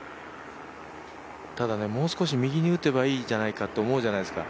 ただもう少し右に打てばいいじゃないかって思うじゃないですか。